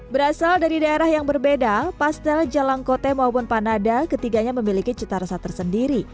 berasal dari daerah yang berbeda pastel jalang kote maupun panada ketiganya memiliki cita rasa tersendiri